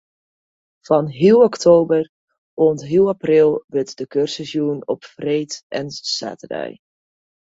Fan heal oktober oant heal april wurdt de kursus jûn op freed en saterdei.